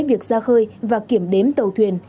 việc ra khơi và kiểm đếm tàu thuyền